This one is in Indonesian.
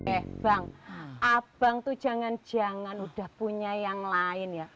eh bang abang tuh jangan jangan udah punya yang lain ya